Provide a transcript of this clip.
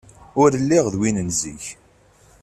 Ur lliɣ d win n zik.